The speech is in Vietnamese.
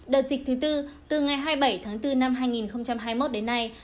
đợt dịch thứ tư từ ngày hai mươi bảy tháng bốn năm hai nghìn hai mươi một đến nay